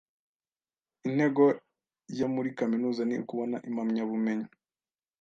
Intego ya muri kaminuza ni ukubona impamyabumenyi.